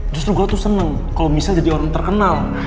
justru gue tuh seneng kalau misalnya jadi orang terkenal